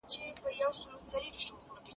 ښوونځي د کورني شخړو حل زده کوي.